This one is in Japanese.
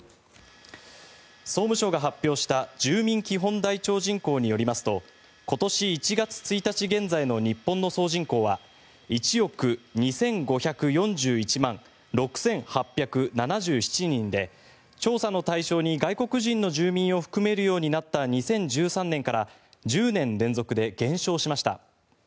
総務省が発表した住民基本台帳人口によりますと今年１月１日現在の日本の総人口は１億２５４１万６８７７人で調査の対象に外国人の住民を含めるようになった２０１３年から１０年連続で減少しました。